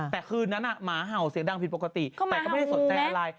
แต่คืนนั้นหมาเห่าเสียงดังผิดปกติแต่ก็ไม่ได้สนใจอะไร